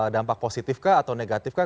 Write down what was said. dampak positif kah atau negatif kah